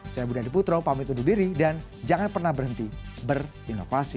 saya budi adiputro pamit undur diri dan jangan pernah berhenti berinovasi